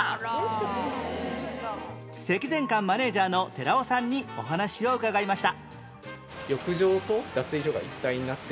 積善館マネジャーの寺尾さんにお話を伺いました